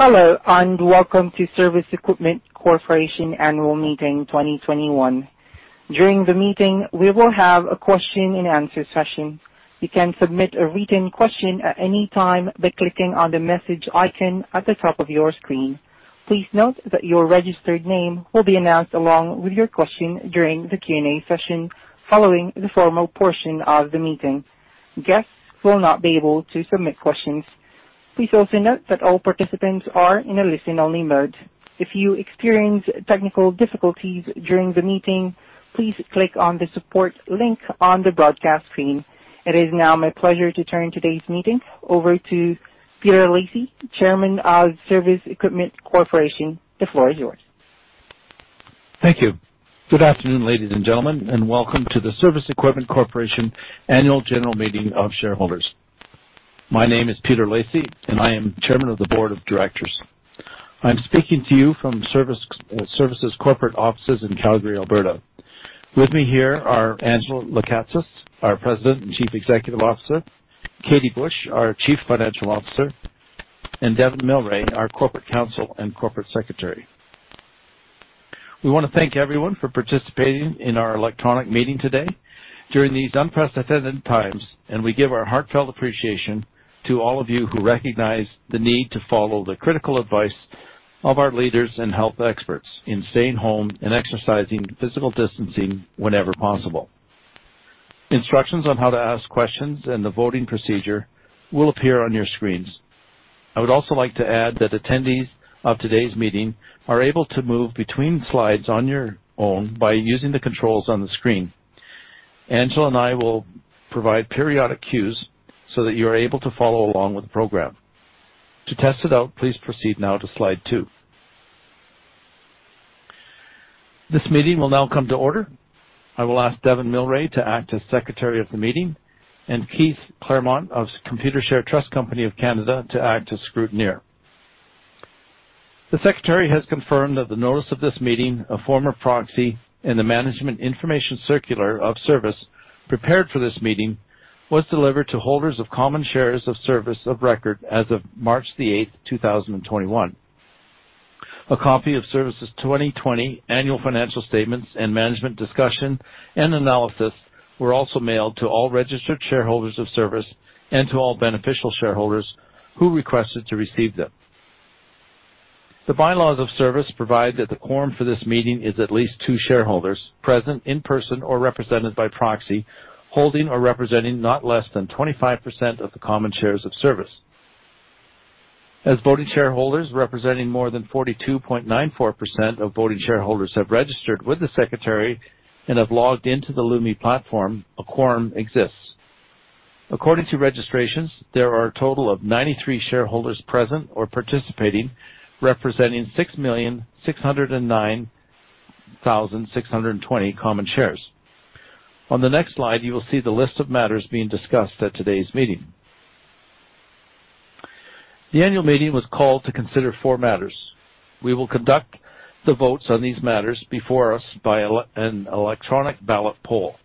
Hello. Welcome to Cervus Equipment Corporation Annual Meeting 2021. During the meeting, we will have a question and answer session. You can submit a written question at any time by clicking on the message icon at the top of your screen. Please note that your registered name will be announced along with your question during the Q&A session following the formal portion of the meeting. Guests will not be able to submit questions. Please also note that all participants are in a listen-only mode. If you experience technical difficulties during the meeting, please click on the support link on the broadcast screen. It is now my pleasure to turn today's meeting over to Peter Lacey, Chairman of Cervus Equipment Corporation. The floor is yours. Thank you. Good afternoon, ladies and gentlemen, and welcome to the Cervus Equipment Corporation Annual General Meeting of Shareholders. My name is Peter Lacey, and I am Chairman of the Board of Directors. I'm speaking to you from Cervus corporate offices in Calgary, Alberta. With me here are Angela Lekatsas, our President and Chief Executive Officer, Catie Busch, our Chief Financial Officer, and Devon Mylrea, our Corporate Counsel and Corporate Secretary. We wanna thank everyone for participating in our electronic meeting today during these unprecedented times, and we give our heartfelt appreciation to all of you who recognize the need to follow the critical advice of our leaders and health experts in staying home and exercising physical distancing whenever possible. Instructions on how to ask questions and the voting procedure will appear on your screens. I would also like to add that attendees of today's meeting are able to move between slides on your own by using the controls on the screen. Angela and I will provide periodic cues so that you are able to follow along with the program. To test it out, please proceed now to slide two. This meeting will now come to order. I will ask Devon Mylrea to act as Secretary of the meeting and Keith Claremont of Computershare Trust Company of Canada to act as scrutineer. The Secretary has confirmed that the notice of this meeting, a form of proxy and the management information circular of Cervus prepared for this meeting, was delivered to holders of common shares of Cervus of record as of March 8th, 2021. A copy of Cervus's 2020 annual financial statements and management discussion and analysis were also mailed to all registered shareholders of Cervus and to all beneficial shareholders who requested to receive them. The bylaws of Cervus provide that the quorum for this meeting is at least two shareholders present in person or represented by proxy, holding or representing not less than 25% of the common shares of Cervus. As voting shareholders representing more than 42.94% of voting shareholders have registered with the Secretary and have logged into the Lumi platform, a quorum exists. According to registrations, there are a total of 93 shareholders present or participating, representing 6,609,620 common shares. On the next slide, you will see the list of matters being discussed at today's meeting. The annual meeting was called to consider four matters. We will conduct the votes on these matters before us by an electronic ballot poll.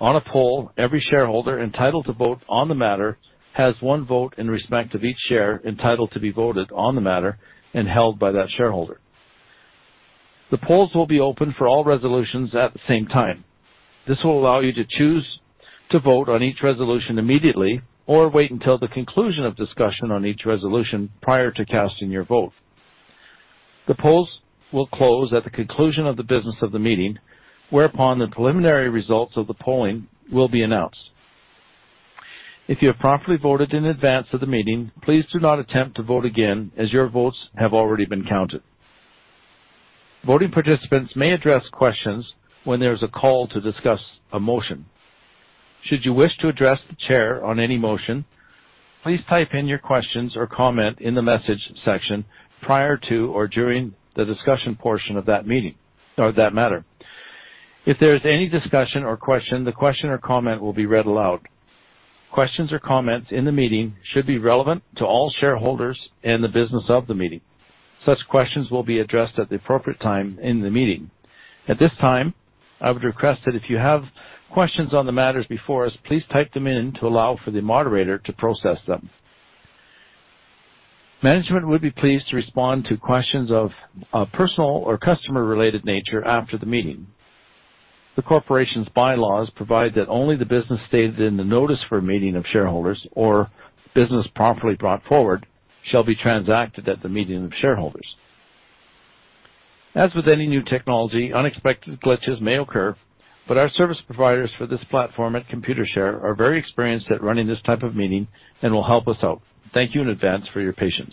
On a poll, every shareholder entitled to vote on the matter has one vote in respect of each share entitled to be voted on the matter and held by that shareholder. The polls will be open for all resolutions at the same time. This will allow you to choose to vote on each resolution immediately or wait until the conclusion of discussion on each resolution prior to casting your vote. The polls will close at the conclusion of the business of the meeting, whereupon the preliminary results of the polling will be announced. If you have properly voted in advance of the meeting, please do not attempt to vote again, as your votes have already been counted. Voting participants may address questions when there's a call to discuss a motion. Should you wish to address the chair on any motion, please type in your questions or comment in the message section prior to or during the discussion portion of that meeting or that matter. If there is any discussion or question, the question or comment will be read aloud. Questions or comments in the meeting should be relevant to all shareholders and the business of the meeting. Such questions will be addressed at the appropriate time in the meeting. At this time, I would request that if you have questions on the matters before us, please type them in to allow for the moderator to process them. Management would be pleased to respond to questions of a personal or customer-related nature after the meeting. The Corporation's bylaws provide that only the business stated in the notice for a meeting of shareholders or business properly brought forward shall be transacted at the meeting of shareholders. As with any new technology, unexpected glitches may occur, but our service providers for this platform at Computershare are very experienced at running this type of meeting and will help us out. Thank you in advance for your patience.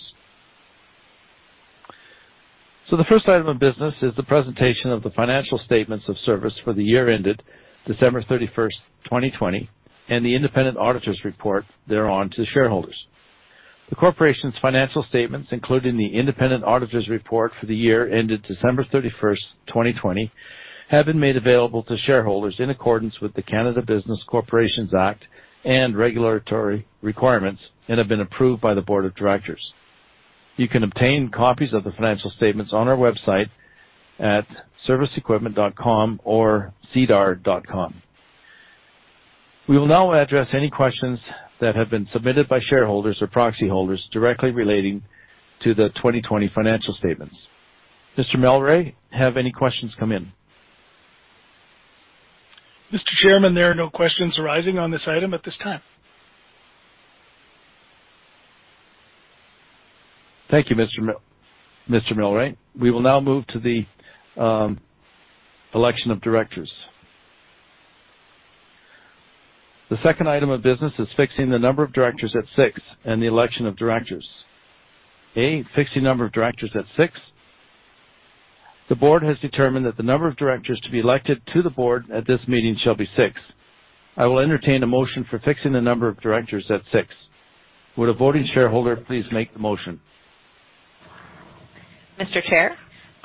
The first item of business is the presentation of the financial statements of Cervus for the year ended December 31st, 2020, and the independent auditor's report thereon to shareholders. The Corporation's financial statements, including the independent auditor's report for the year ended December 31st, 2020, have been made available to shareholders in accordance with the Canada Business Corporations Act and regulatory requirements and have been approved by the board of directors. You can obtain copies of the financial statements on our website at cervusequipment.com or sedar.com. We will now address any questions that have been submitted by shareholders or proxy holders directly relating to the 2020 financial statements. Mr. Mylrea, have any questions come in? Mr. Chairman, there are no questions arising on this item at this time. Thank you, Mr. Mylrea. We will now move to the election of directors. The second item of business is fixing the number of directors at six and the election of directors. A, fixing number of directors at six. The board has determined that the number of directors to be elected to the board at this meeting shall be six. I will entertain a motion for fixing the number of directors at six. Would a voting shareholder please make the motion? Mr. Chair,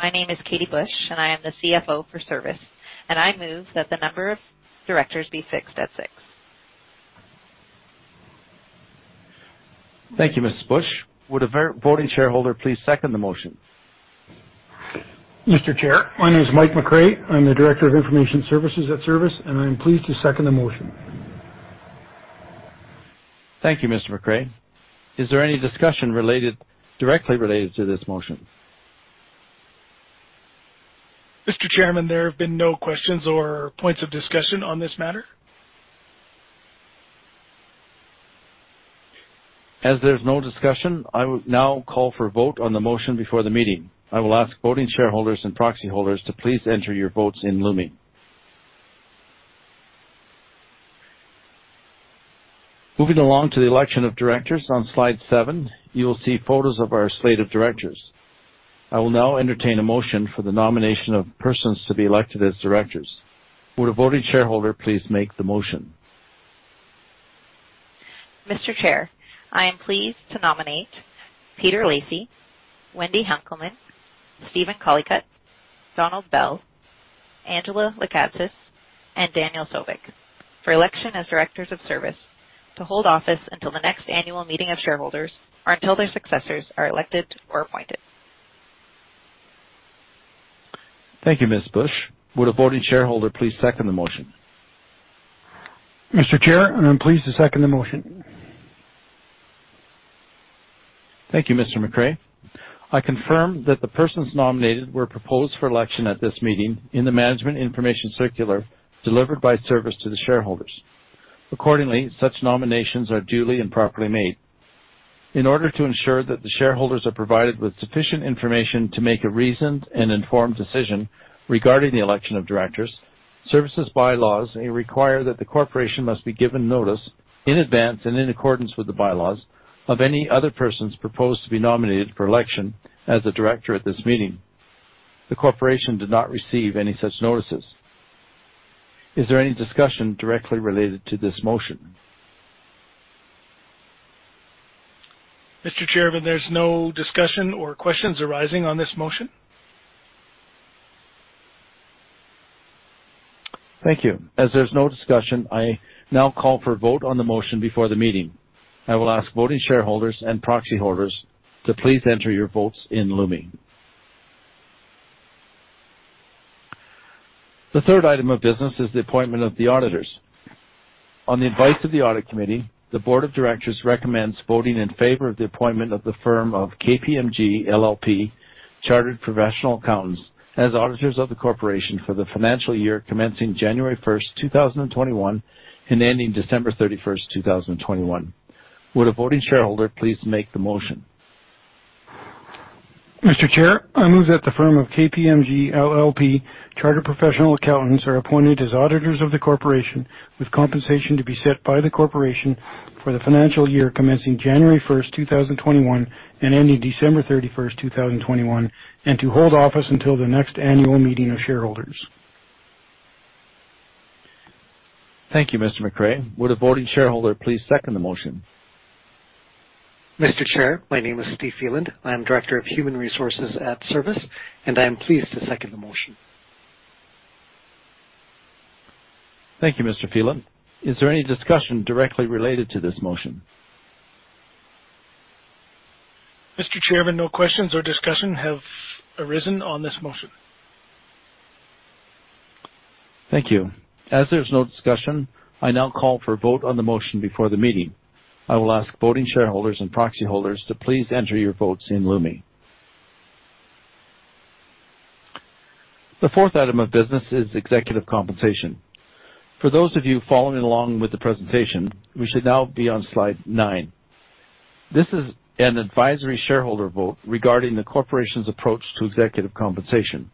my name is Catie Busch. I am the CFO for Cervus. I move that the number of directors be fixed at six. Thank you, Ms. Busch. Would a voting shareholder please second the motion? Mr. Chair, my name is Mike McCrae. I'm the Director of Information Services at Cervus, I am pleased to second the motion. Thank you, Mr. McCrae. Is there any discussion directly related to this motion? Mr. Chairman, there have been no questions or points of discussion on this matter. As there's no discussion, I will now call for a vote on the motion before the meeting. I will ask voting shareholders and proxy holders to please enter your votes in Lumi. Moving along to the election of directors. On slide seven, you will see photos of our slate of directors. I will now entertain a motion for the nomination of persons to be elected as directors. Would a voting shareholder please make the motion? Mr. Chair, I am pleased to nominate Peter Lacey, Wendy Henkelman, Steven Collicutt, Don Bell, Angela Lekatsas, and Daniel Sobek for election as directors of Cervus to hold office until the next annual meeting of shareholders or until their successors are elected or appointed. Thank you, Ms. Catie Busch. Would a voting shareholder please second the motion? Mr. Chair, I am pleased to second the motion. Thank you, Mr. McCrae. I confirm that the persons nominated were proposed for election at this meeting in the management information circular delivered by Cervus to the shareholders. Accordingly, such nominations are duly and properly made. In order to ensure that the shareholders are provided with sufficient information to make a reasoned and informed decision regarding the election of directors, Cervus's bylaws require that the Corporation must be given notice in advance and in accordance with the bylaws of any other persons proposed to be nominated for election as a director at this meeting. The Corporation did not receive any such notices. Is there any discussion directly related to this motion? Mr. Chairman, there's no discussion or questions arising on this motion. Thank you. As there's no discussion, I now call for a vote on the motion before the meeting. I will ask voting shareholders and proxy holders to please enter your votes in Lumi. The third item of business is the appointment of the auditors. On the advice of the audit committee, the board of directors recommends voting in favor of the appointment of the firm of KPMG LLP, chartered professional accountants, as auditors of the corporation for the financial year commencing January 1st, 2021, and ending December 31st, 2021. Would a voting shareholder please make the motion? Mr. Chair, I move that the firm of KPMG LLP, chartered professional accountants, are appointed as auditors of the corporation with compensation to be set by the corporation for the financial year commencing January 1st, 2021, and ending December 31st, 2021, and to hold office until the next annual meeting of shareholders. Thank you, Mr. McCrae. Would a voting shareholder please second the motion? Mr. Chair, my name is Steven Feland. I am Director of Human Resources at Cervus, and I am pleased to second the motion. Thank you, Mr. Feland. Is there any discussion directly related to this motion? Mr. Chairman, no questions or discussion have arisen on this motion. Thank you. As there's no discussion, I now call for a vote on the motion before the meeting. I will ask voting shareholders and proxy holders to please enter your votes in Lumi. The fourth item of business is executive compensation. For those of you following along with the presentation, we should now be on slide nine. This is an advisory shareholder vote regarding the corporation's approach to executive compensation.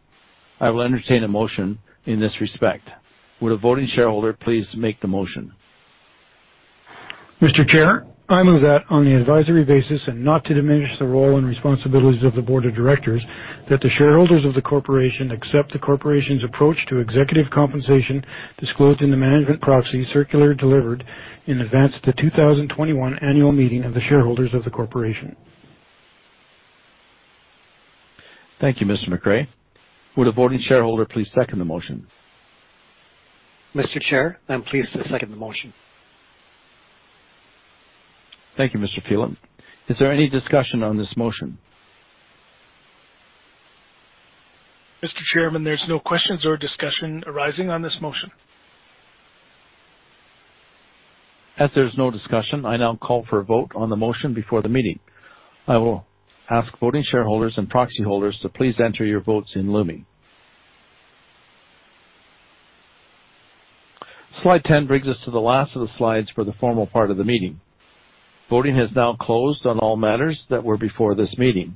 I will entertain a motion in this respect. Would a voting shareholder please make the motion? Mr. Chair, I move that on the advisory basis and not to diminish the role and responsibilities of the board of directors, that the shareholders of the corporation accept the corporation's approach to executive compensation disclosed in the management proxy circular delivered in advance of the 2021 annual meeting of the shareholders of the corporation. Thank you, Mr. McCrae. Would a voting shareholder please second the motion? Mr. Chair, I'm pleased to second the motion. Thank you, Mr. Feland. Is there any discussion on this motion? Mr. Chairman, there's no questions or discussion arising on this motion. As there's no discussion, I now call for a vote on the motion before the meeting. I will ask voting shareholders and proxy holders to please enter your votes in Lumi. Slide 10 brings us to the last of the slides for the formal part of the meeting. Voting has now closed on all matters that were before this meeting.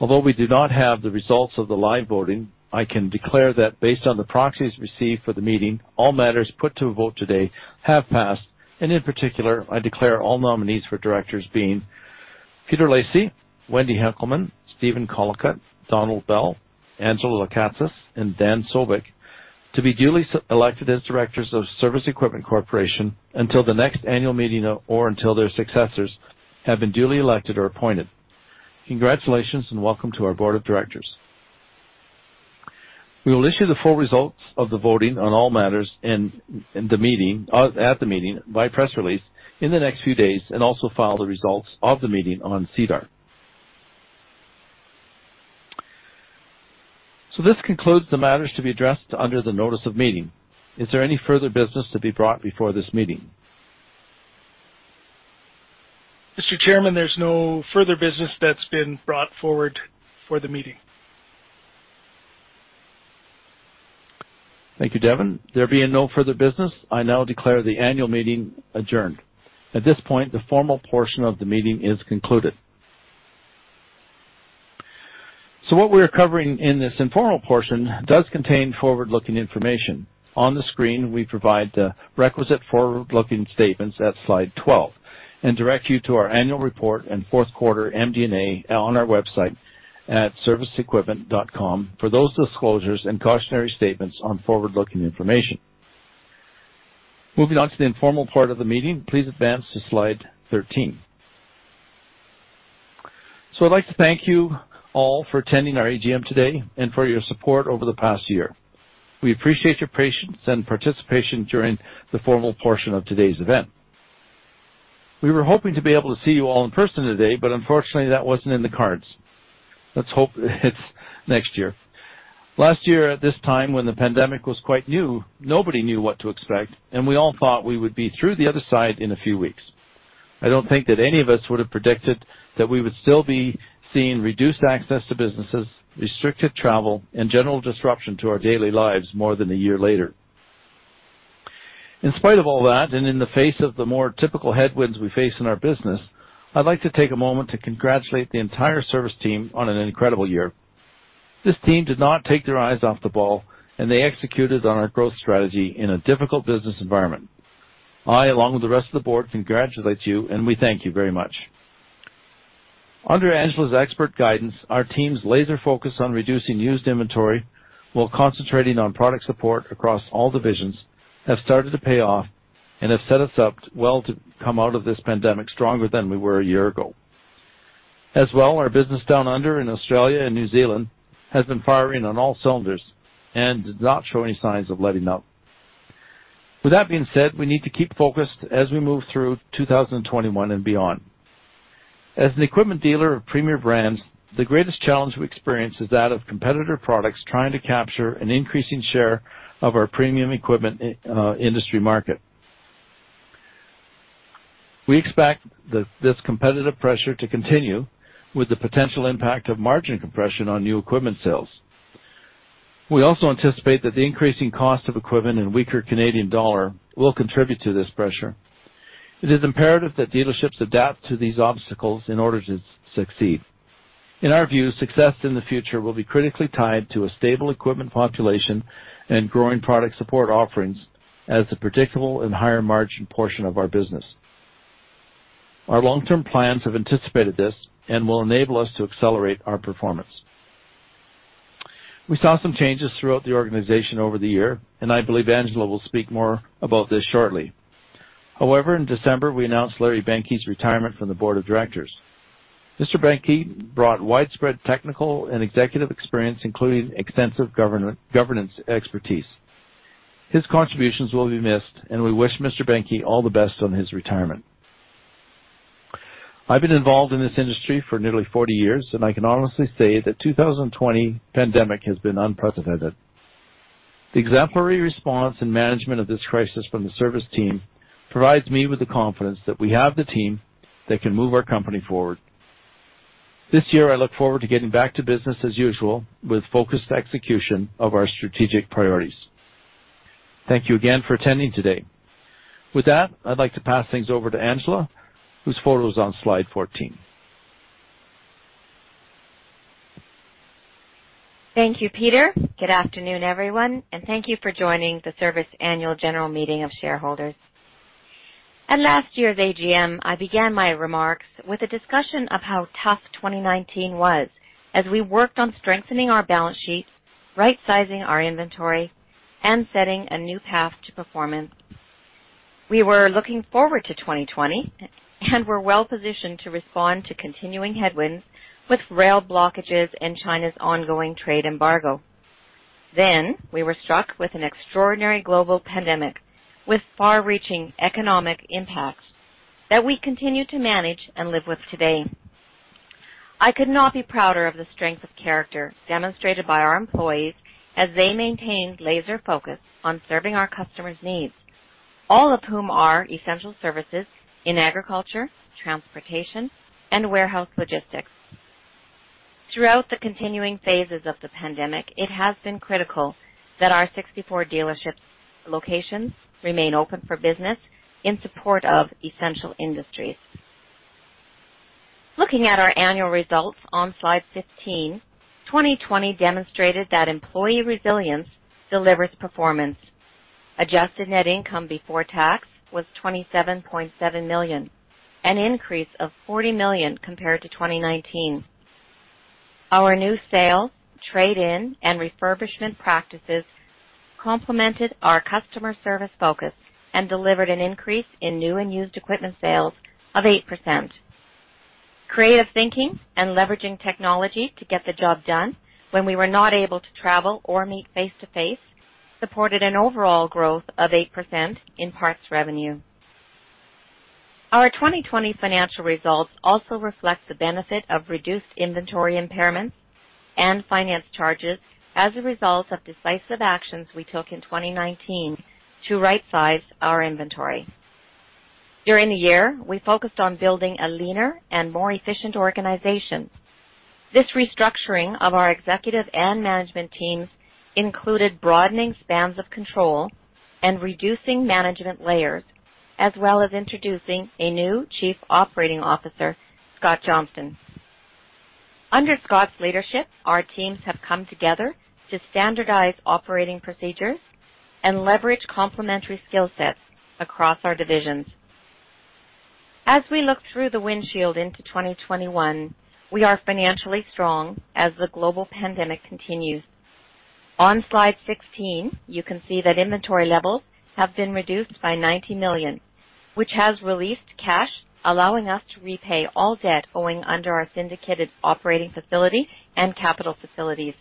Although we do not have the results of the live voting, I can declare that based on the proxies received for the meeting, all matters put to a vote today have passed. In particular, I declare all nominees for directors being Peter Lacey, Wendy Henkelman, Steven Collicutt, Don Bell, Angela Lekatsas, and Daniel Sobek to be duly elected as directors of Cervus Equipment Corporation until the next annual meeting or until their successors have been duly elected or appointed. Congratulations, welcome to our board of directors. We will issue the full results of the voting on all matters at the meeting by press release in the next few days and also file the results of the meeting on SEDAR+. This concludes the matters to be addressed under the notice of meeting. Is there any further business to be brought before this meeting? Mr. Chairman, there's no further business that's been brought forward for the meeting. Thank you, Devon. There being no further business, I now declare the annual meeting adjourned. At this point, the formal portion of the meeting is concluded. What we're covering in this informal portion does contain forward-looking information. On the screen, we provide the requisite forward-looking statements at slide 12 and direct you to our annual report and fourth quarter MD&A on our website at cervusequipment.com for those disclosures and cautionary statements on forward-looking information. Moving on to the informal part of the meeting, please advance to slide 13. I'd like to thank you all for attending our AGM today and for your support over the past year. We appreciate your patience and participation during the formal portion of today's event. We were hoping to be able to see you all in person today, but unfortunately, that wasn't in the cards. Let's hope it's next year. Last year, at this time, when the pandemic was quite new, nobody knew what to expect, and we all thought we would be through the other side in a few weeks. I don't think that any of us would have predicted that we would still be seeing reduced access to businesses, restricted travel, and general disruption to our daily lives more than a year later. In spite of all that, and in the face of the more typical headwinds we face in our business, I'd like to take a moment to congratulate the entire Cervus team on an incredible year. This team did not take their eyes off the ball, and they executed on our growth strategy in a difficult business environment. I, along with the rest of the board, congratulate you, and we thank you very much. Under Angela's expert guidance, our team's laser focus on reducing used inventory while concentrating on product support across all divisions have started to pay off and have set us up well to come out of this pandemic stronger than we were a year ago. As well, our business down under in Australia and New Zealand has been firing on all cylinders and does not show any signs of letting up. With that being said, we need to keep focused as we move through 2021 and beyond. As an equipment dealer of premier brands, the greatest challenge we experience is that of competitor products trying to capture an increasing share of our premium equipment industry market. We expect this competitive pressure to continue with the potential impact of margin compression on new equipment sales. We also anticipate that the increasing cost of equipment and weaker Canadian dollar will contribute to this pressure. It is imperative that dealerships adapt to these obstacles in order to succeed. In our view, success in the future will be critically tied to a stable equipment population and growing product support offerings as a predictable and higher margin portion of our business. Our long-term plans have anticipated this and will enable us to accelerate our performance. We saw some changes throughout the organization over the year, and I believe Angela will speak more about this shortly. However, in December, we announced Larry Benke's retirement from the board of directors. Mr. Benke brought widespread technical and executive experience, including extensive governance expertise. His contributions will be missed, and we wish Mr. Benke all the best on his retirement. I've been involved in this industry for nearly 40 years, and I can honestly say the 2020 pandemic has been unprecedented. The exemplary response and management of this crisis from the Cervus team provides me with the confidence that we have the team that can move our company forward. This year, I look forward to getting back to business as usual with focused execution of our strategic priorities. Thank you again for attending today. With that, I'd like to pass things over to Angela, whose photo is on slide 14. Thank you, Peter. Good afternoon, everyone, and thank you for joining the Cervus Annual General Meeting of Shareholders. At last year's AGM, I began my remarks with a discussion of how tough 2019 was as we worked on strengthening our balance sheet, right-sizing our inventory, and setting a new path to performance. We were looking forward to 2020 and were well-positioned to respond to continuing headwinds with rail blockages and China's ongoing trade embargo. We were struck with an extraordinary global pandemic with far-reaching economic impacts that we continue to manage and live with today. I could not be prouder of the strength of character demonstrated by our employees as they maintained laser focus on serving our customers' needs, all of whom are essential services in agriculture, transportation, and warehouse logistics. Throughout the continuing phases of the pandemic, it has been critical that our 64 dealership locations remain open for business in support of essential industries. Looking at our annual results on slide 15, 2020 demonstrated that employee resilience delivers performance. Adjusted net income before tax was 27.7 million, an increase of 40 million compared to 2019. Our new sale, trade-in, and refurbishment practices complemented our customer service focus and delivered an increase in new and used equipment sales of 8%. Creative thinking and leveraging technology to get the job done when we were not able to travel or meet face-to-face supported an overall growth of 8% in parts revenue. Our 2020 financial results also reflect the benefit of reduced inventory impairments and finance charges as a result of decisive actions we took in 2019 to right size our inventory. During the year, we focused on building a leaner and more efficient organization. This restructuring of our executive and management teams included broadening spans of control and reducing management layers, as well as introducing a new Chief Operating Officer, Scott Johnston. Under Scott's leadership, our teams have come together to standardize operating procedures and leverage complementary skill sets across our divisions. As we look through the windshield into 2021, we are financially strong as the global pandemic continues. On slide 16, you can see that inventory levels have been reduced by 90 million, which has released cash, allowing us to repay all debt owing under our syndicated operating facility and capital facilities.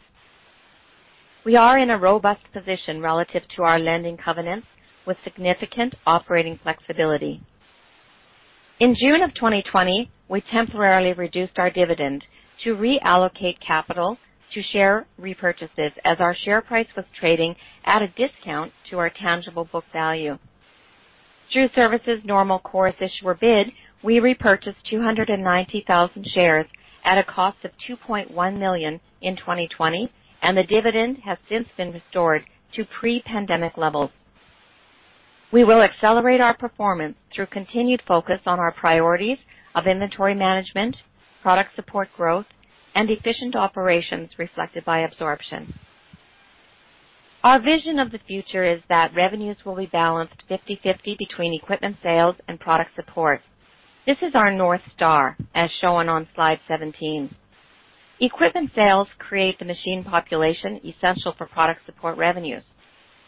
We are in a robust position relative to our lending covenants with significant operating flexibility. In June of 2020, we temporarily reduced our dividend to reallocate capital to share repurchases as our share price was trading at a discount to our tangible book value. Through Cervus's normal course issuer bid, we repurchased 290,000 shares at a cost of 2.1 million in 2020, and the dividend has since been restored to pre-pandemic levels. We will accelerate our performance through continued focus on our priorities of inventory management, product support growth, and efficient operations reflected by absorption. Our vision of the future is that revenues will be balanced 50/50 between equipment sales and product support. This is our North Star, as shown on slide 17. Equipment sales create the machine population essential for product support revenues.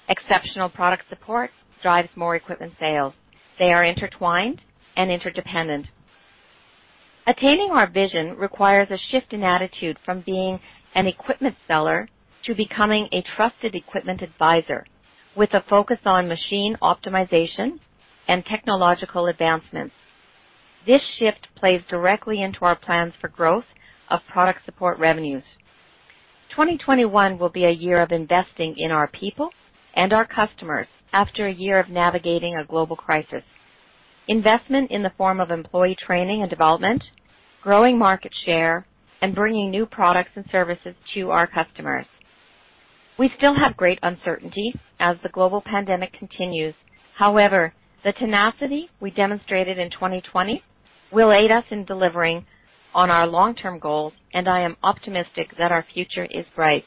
Exceptional product support drives more equipment sales. They are intertwined and interdependent. Attaining our vision requires a shift in attitude from being an equipment seller to becoming a trusted equipment advisor with a focus on machine optimization and technological advancements. This shift plays directly into our plans for growth of product support revenues. 2021 will be a year of investing in our people and our customers after a year of navigating a global crisis. Investment in the form of employee training and development, growing market share, and bringing new products and services to our customers. We still have great uncertainty as the global pandemic continues. However, the tenacity we demonstrated in 2020 will aid us in delivering on our long-term goals, and I am optimistic that our future is bright.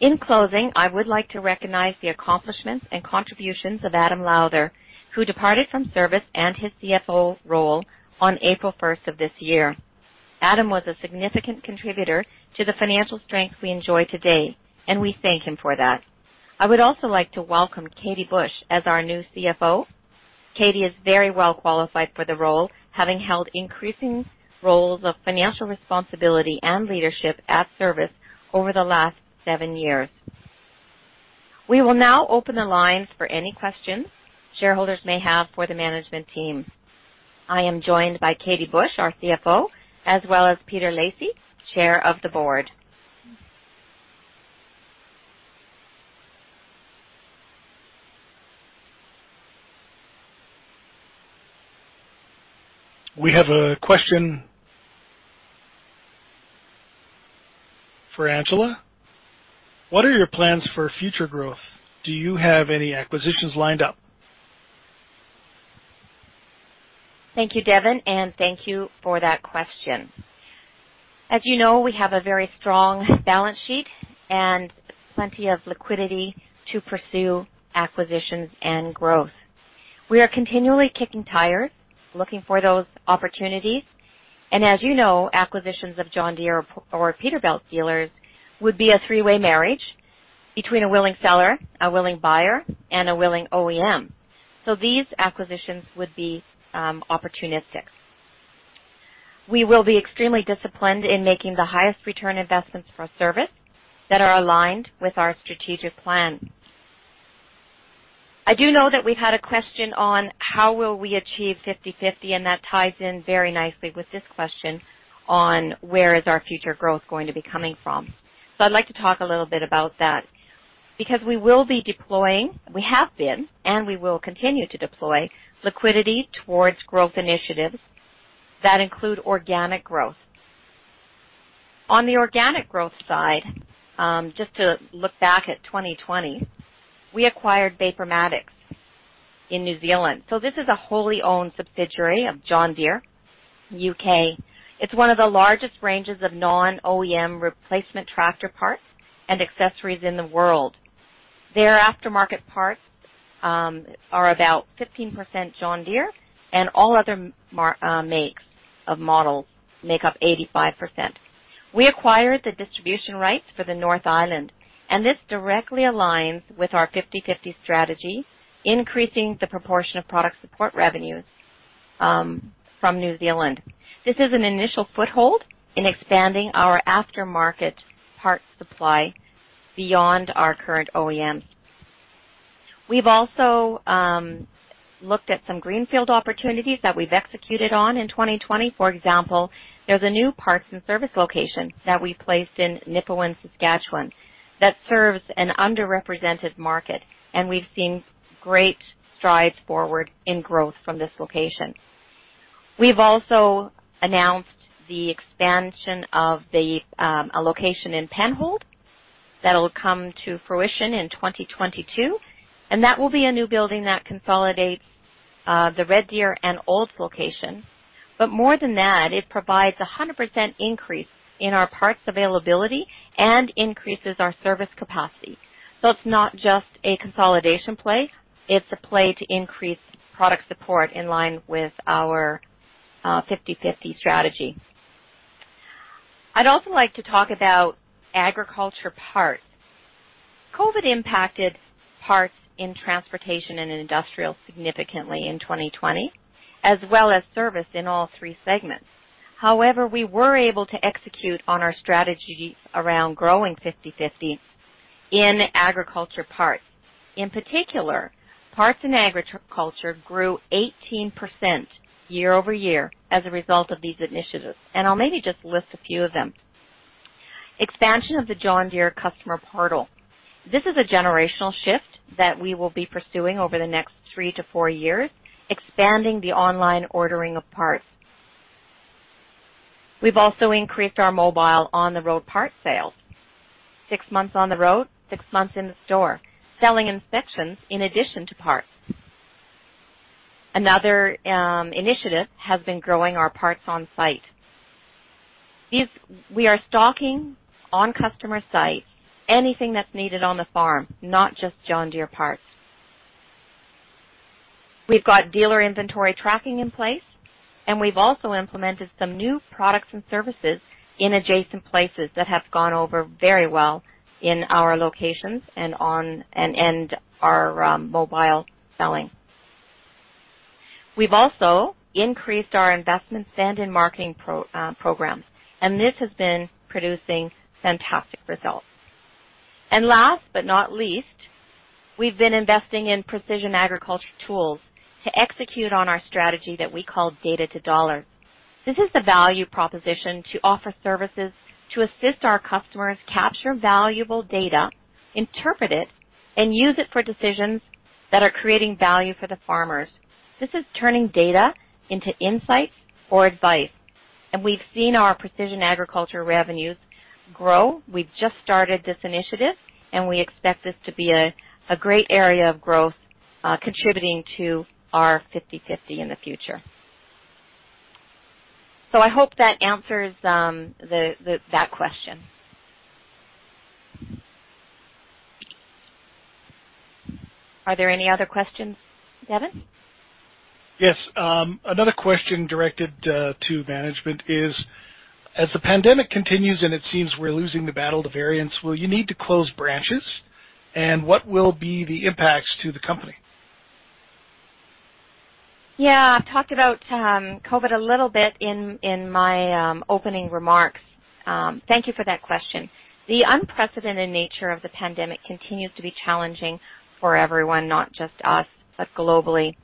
In closing, I would like to recognize the accomplishments and contributions of Adam Lowther, who departed from Cervus and his CFO role on April 1st of this year. Adam was a significant contributor to the financial strength we enjoy today, and we thank him for that. I would also like to welcome Catie Busch as our new CFO. Catie is very well qualified for the role, having held increasing roles of financial responsibility and leadership at Cervus over the last seven years. We will now open the lines for any questions shareholders may have for the management team. I am joined by Catie Busch, our CFO, as well as Peter Lacey, Chair of the Board. We have a question for Angela. What are your plans for future growth? Do you have any acquisitions lined up? Thank you, Devon, and thank you for that question. As you know, we have a very strong balance sheet and plenty of liquidity to pursue acquisitions and growth. We are continually kicking tires, looking for those opportunities. As you know, acquisitions of John Deere or Peterbilt dealers would be a three-way marriage between a willing seller, a willing buyer, and a willing OEM. These acquisitions would be opportunistic. We will be extremely disciplined in making the highest return investments for Cervus that are aligned with our strategic plan. I do know that we've had a question on how will we achieve 50/50, and that ties in very nicely with this question on where is our future growth going to be coming from. I'd like to talk a little bit about that. We will be deploying, we have been, and we will continue to deploy liquidity towards growth initiatives that include organic growth. On the organic growth side, just to look back at 2020, we acquired Vapormatic in New Zealand. This is a wholly owned subsidiary of John Deere UK. It's one of the largest ranges of non-OEM replacement tractor parts and accessories in the world. Their aftermarket parts are about 15% John Deere and all other makes of models make up 85%. We acquired the distribution rights for the North Island, this directly aligns with our 50/50 strategy, increasing the proportion of product support revenues from New Zealand. This is an initial foothold in expanding our aftermarket parts supply beyond our current OEM. We've also looked at some greenfield opportunities that we've executed on in 2020. For example, there's a new parts and service location that we placed in Nipawin, Saskatchewan, that serves an underrepresented market, and we've seen great strides forward in growth from this location. We've also announced the expansion of a location in Penhold that'll come to fruition in 2022, and that will be a new building that consolidates the Red Deer and Olds location. More than that, it provides a 100% increase in our parts availability and increases our service capacity. It's not just a consolidation play, it's a play to increase product support in line with our 50/50 strategy. I'd also like to talk about agriculture parts. COVID impacted parts in transportation and in industrial significantly in 2020, as well as service in all three segments. However, we were able to execute on our strategy around growing 50/50 in agriculture parts. In particular, parts in agriculture grew 18% year-over-year as a result of these initiatives, and I'll maybe just list a few of them. Expansion of the John Deere customer portal. This is a generational shift that we will be pursuing over the next three to four years, expanding the online ordering of parts. We've also increased our mobile on-the-road parts sales. Six months on the road, six months in the store, selling inspections in addition to parts. Another initiative has been growing our Parts OnSite. We are stocking on customer site anything that's needed on the farm, not just John Deere parts. We've got dealer inventory tracking in place, and we've also implemented some new products and services in adjacent places that have gone over very well in our locations and our mobile selling. We've also increased our investment spend in marketing programs, and this has been producing fantastic results. Last but not least, we've been investing in precision agriculture tools to execute on our strategy that we call Data to Dollar. This is the value proposition to offer services to assist our customers capture valuable data, interpret it, and use it for decisions that are creating value for the farmers. This is turning data into insights or advice, and we've seen our precision agriculture revenues grow. We've just started this initiative, and we expect this to be a great area of growth, contributing to our 50/50 in the future. I hope that answers that question. Are there any other questions, Devon? Yes. Another question directed to management is, as the pandemic continues and it seems we're losing the battle to variants, will you need to close branches, and what will be the impacts to the company? Yeah. I've talked about COVID a little bit in my opening remarks. Thank you for that question. The unprecedented nature of the pandemic continues to be challenging for everyone, not just us, but globally.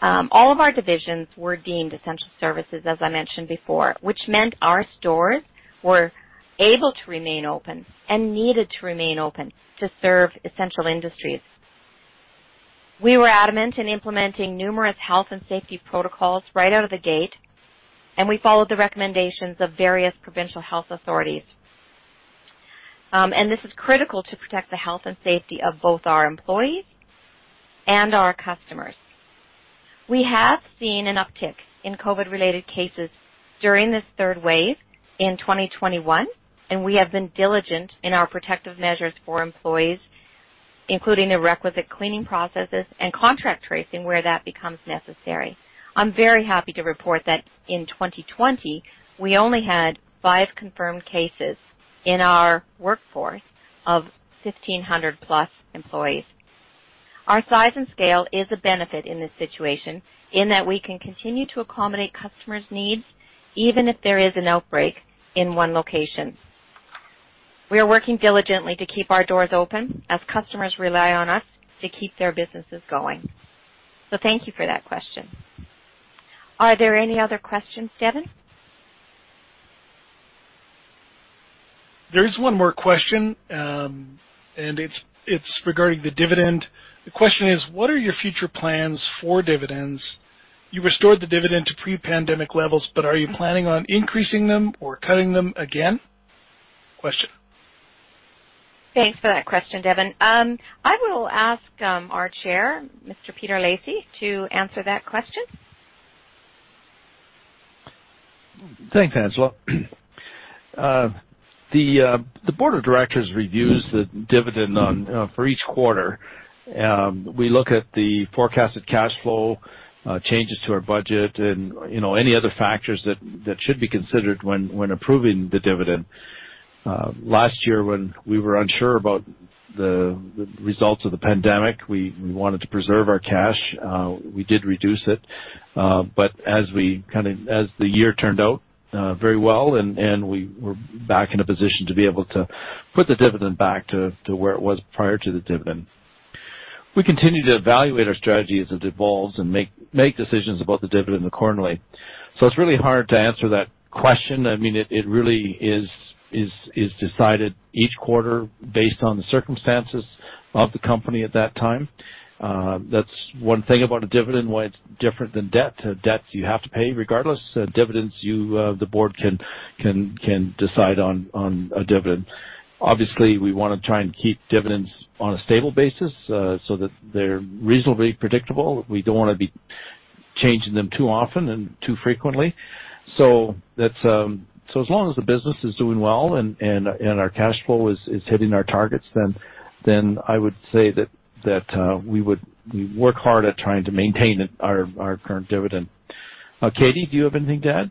All of our divisions were deemed essential services, as I mentioned before, which meant our stores were able to remain open and needed to remain open to serve essential industries. We were adamant in implementing numerous health and safety protocols right out of the gate, and we followed the recommendations of various provincial health authorities. This is critical to protect the health and safety of both our employees and our customers. We have seen an uptick in COVID-related cases during this third wave in 2021, and we have been diligent in our protective measures for employees, including the requisite cleaning processes and contact tracing where that becomes necessary. I'm very happy to report that in 2020, we only had five confirmed cases in our workforce of 1,500+ employees. Our size and scale is a benefit in this situation in that we can continue to accommodate customers' needs even if there is an outbreak in one location. We are working diligently to keep our doors open as customers rely on us to keep their businesses going. Thank you for that question. Are there any other questions, Devon? There is one more question, it's regarding the dividend. The question is: What are your future plans for dividends? You restored the dividend to pre-pandemic levels, but are you planning on increasing them or cutting them again? Thanks for that question, Devon. I will ask our Chairman, Mr. Peter Lacey, to answer that question. Thanks, Angela. The board of directors reviews the dividend on for each quarter. We look at the forecasted cashflow, changes to our budget and, you know, any other factors that should be considered when approving the dividend. Last year when we were unsure about the results of the pandemic, we wanted to preserve our cash. We did reduce it. As we kind of as the year turned out very well and we were back in a position to be able to put the dividend back to where it was prior to the dividend. We continue to evaluate our strategy as it evolves and make decisions about the dividend accordingly. It's really hard to answer that question. I mean, it really is decided each quarter based on the circumstances of the company at that time. That's one thing about a dividend, why it's different than debt. Debt you have to pay regardless. Dividends, you, the board can decide on a dividend. Obviously, we wanna try and keep dividends on a stable basis, so that they're reasonably predictable. We don't wanna be changing them too often and too frequently. That's, as long as the business is doing well and our cashflow is hitting our targets, then I would say that we work hard at trying to maintain it, our current dividend. Catie, do you have anything to add?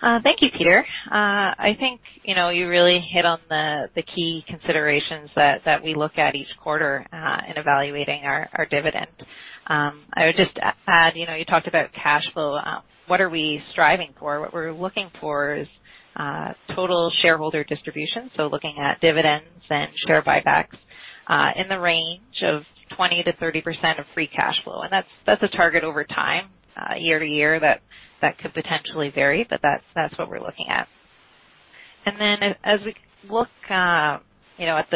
Thank you, Peter. I think, you know, you really hit on the key considerations that we look at each quarter in evaluating our dividend. I would just add, you know, you talked about cashflow. What are we striving for? What we're looking for is total shareholder distribution, so looking at dividends and share buybacks, in the range of 20%-30% of free cashflow. That's a target over time, year to year that could potentially vary, but that's what we're looking at. Then as we look, you know, at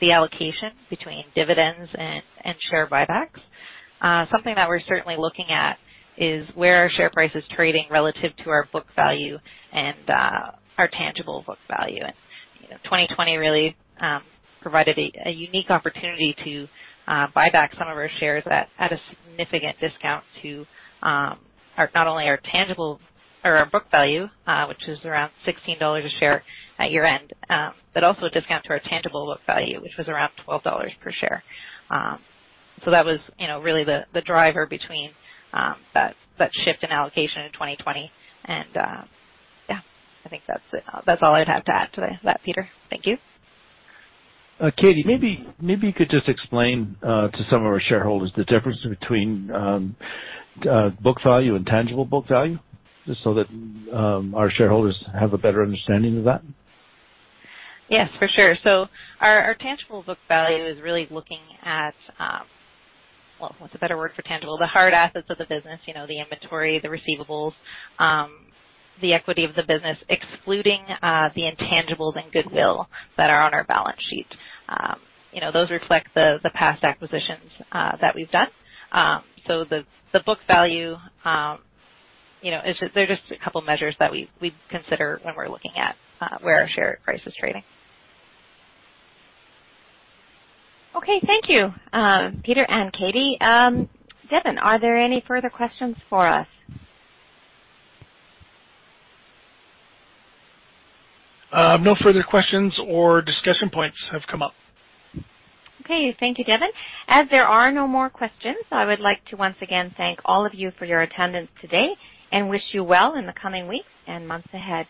the allocation between dividends and share buybacks, something that we're certainly looking at is where our share price is trading relative to our book value and our tangible book value. You know, 2020 really provided a unique opportunity to buy back some of our shares at a significant discount to our, not only our tangible or our book value, which was around 16 dollars a share at year-end, but also a discount to our tangible book value, which was around 12 dollars per share. That was, you know, really the driver between that shift in allocation in 2020. Yeah, I think that's it. That's all I'd have to add to that, Peter. Thank you. Catie, maybe you could just explain to some of our shareholders the difference between book value and tangible book value, just so that our shareholders have a better understanding of that. Yes, for sure. Our tangible book value is really looking at, Well, what's a better word for tangible? The hard assets of the business, you know, the inventory, the receivables, the equity of the business, excluding the intangibles and goodwill that are on our balance sheet. You know, those reflect the past acquisitions that we've done. The book value, you know, they're just a couple measures that we consider when we're looking at where our share price is trading. Okay. Thank you, Peter and Catie. Devon, are there any further questions for us? No further questions or discussion points have come up. Okay. Thank you, Devon. As there are no more questions, I would like to once again thank all of you for your attendance today and wish you well in the coming weeks and months ahead.